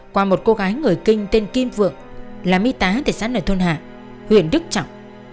qua một cô gái người kinh tên kim vượng là mi tá tại xã nội thôn hạ huyện đức trọng